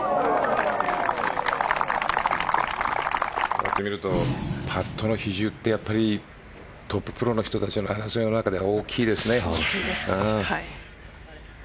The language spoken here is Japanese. こうやって見るとパットの比重ってトッププロの人たちの争いの中では大きいですね。